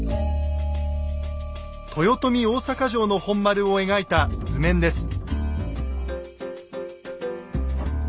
豊臣大坂城の本丸を描いた図面です。